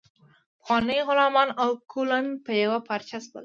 پخواني غلامان او کولون په یوه پارچه شول.